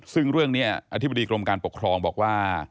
ซึ่งเรื่องนี้อธิบดีกรมการปกครองบอกว่า